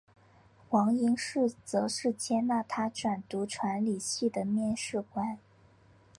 黄应士则是接纳他转读传理系的面试官。